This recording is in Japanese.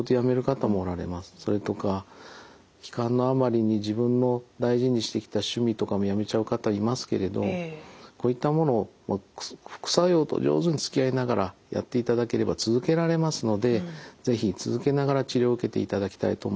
それとか悲観のあまりに自分の大事にしてきた趣味とかもやめちゃう方いますけれどこういったものを副作用と上手につきあいながらやっていただければ続けられますので是非続けながら治療を受けていただきたいと思います。